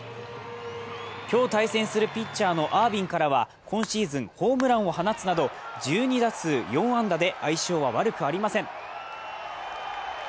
今日対戦するピッチャーのアービンからは今シーズン、ホームランを放つなど１２打数４安打で相性は悪くありません。